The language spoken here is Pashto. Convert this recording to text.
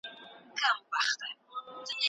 هغه د خپلي څېړني لپاره ښه موضوع موندلې ده.